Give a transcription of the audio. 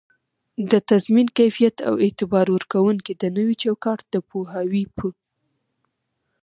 د تضمین کیفیت او اعتبار ورکووني د نوي چوکات د پوهاوي په